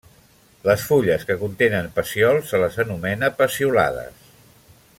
Les fulles que contenen pecíol se les anomena peciolades.